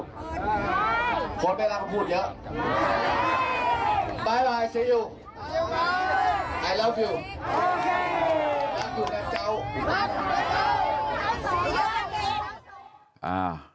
รักคุณแม่เจ้า